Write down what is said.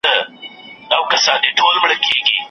ستا تر قدمونو به رقیب سجدې در ولېږي